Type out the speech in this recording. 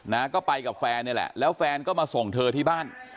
นะก็ไปกับแฟนนี่แหละแล้วแฟนก็มาส่งเธอที่บ้าน